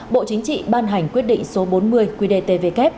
bộ chính trị ban hành quyết định số bốn mươi quy đề tvk